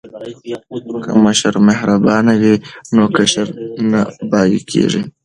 که مشر مهربان وي نو کشر نه باغی کیږي.